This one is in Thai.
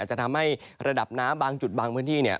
จะทำให้ระดับน้ำบางจุดบางพื้นที่เนี่ย